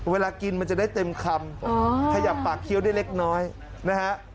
เวลากินมันจะได้เต็มคำขยับปากเคี้ยวได้เล็กน้อยนะฮะ